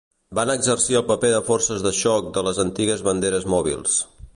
Van exercir el paper de forces de xoc de les antigues Banderes Mòbils.